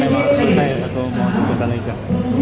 market malam ini harus selesai